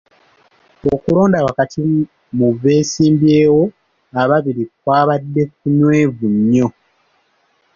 Okulonda wakati mu beesimbyewo ababiri kwabadde kunywevu nnyo.